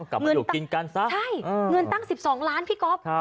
กลับมาอยู่กินกันซะใช่เงินตั้ง๑๒ล้านพี่ก๊อฟ